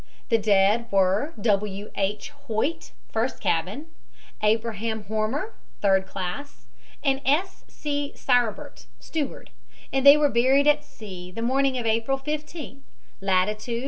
The dead were W. H. Hoyte, first cabin; Abraham Hormer, third class, and S. C. Sirbert, steward, and they were buried at sea the morning of April 15th, latitude 41.